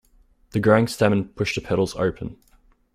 The growing stamen push the petals open.